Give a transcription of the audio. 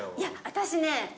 私ね